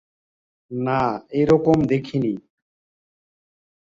না, এরকম দেখিনি।